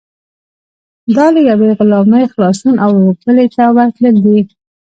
دا له یوې غلامۍ خلاصون او بلې ته ورتلل دي.